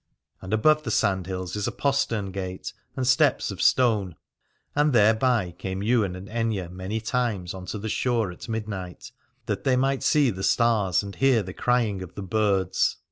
And above the sand hills is a postern gate and steps of stone : and thereby came Ywain and Aithne many times unto the shore at midnight, that they might see the stars and hear the crying of the birds.